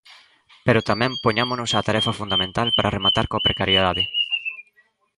Pero tamén poñámonos á tarefa fundamental para rematar coa precariedade.